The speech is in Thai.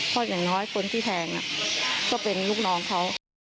เพราะอย่างน้อยคนที่แทงก็เป็นลูกน้องเขา